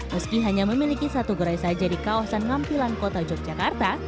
meski hanya memiliki satu gerai saja di kawasan ngampilan kota yogyakarta